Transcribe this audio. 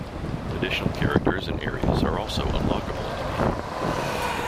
Additional characters and areas are also unlockable in the game.